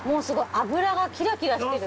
脂がキラキラしてる。